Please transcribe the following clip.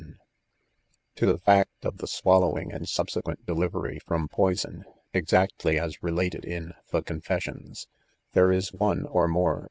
KREFAC33, ix To the fact of the swallowing and subsequent delivery frozn poison, (exactly as related in a The Confessions/ *) there is onc 3 or more.